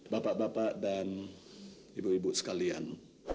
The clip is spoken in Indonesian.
bapak bapak dan ibu ibu sekalian